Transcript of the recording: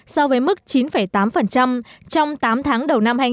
so với mức chín tám trong tám tháng đầu năm hai nghìn một mươi bảy